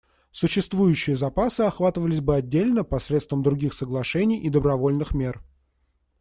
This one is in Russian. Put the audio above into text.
Существующие запасы охватывались бы отдельно посредством других соглашений и добровольных мер.